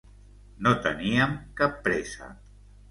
No teníem cap pressa.